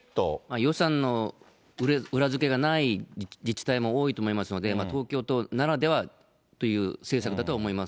予算の裏付けがない自治体も多いと思いますので、東京都ならではという政策だとは思います。